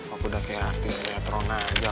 aku udah kayak artis elektron aja